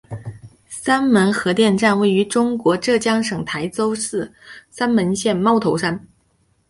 三门核电站位于中国浙江省台州市三门县猫头山。